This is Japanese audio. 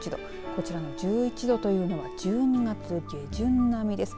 こちらの１１度というのは１２月下旬並みです。